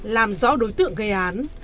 làm rõ đối tượng của minh